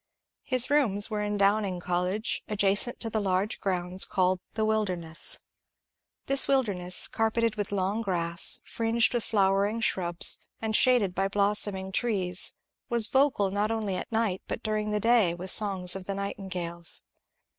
His rooms were in Downing College, adjacent to the large grounds called the " Wilderness." This Wilderness, carpeted with long grass, fringed with flowering shrubs, and shaded by blossoming trees, DEBATE IN THE CAMBRIDGE UNION 377 was Yocal not only at night but during the day with songs of the nightingales.